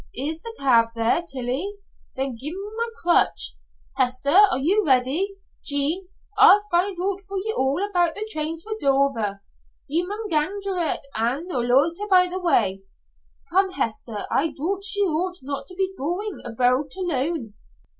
Is the cab there, Tillie? Then gie me my crutch. Hester, are you ready? Jean, I'll find oot for ye all aboot the trains for Dover. Ye maun gang direc' an' no loiter by the way. Come, Hester. I doot she ought not to be goin' aboot alone.